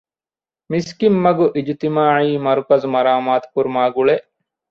މިސްކިތްމަގު އިޖުތިމާޢީ މަރުކަޒު މަރާމާތު ކުރުމާގުޅޭ